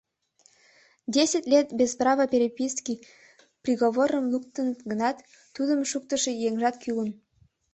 «Десять лет без права переписки» приговорым луктыныт гын, тудым шуктышо еҥжат кӱлын.